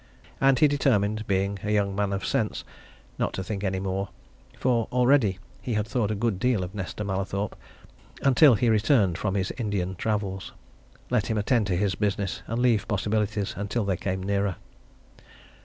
And he determined, being a young man of sense, not to think any more for already he had thought a good deal of Nesta Mallathorpe, until he returned from his Indian travels. Let him attend to his business, and leave possibilities until they came nearer.